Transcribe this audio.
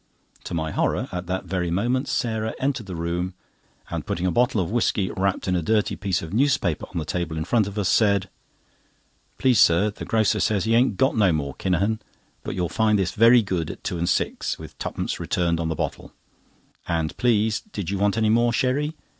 To my horror, at that very moment, Sarah entered the room, and putting a bottle of whisky, wrapped in a dirty piece of newspaper, on the table in front of us, said: "Please, sir, the grocer says he ain't got no more Kinahan, but you'll find this very good at two and six, with twopence returned on the bottle; and, please, did you want any more sherry?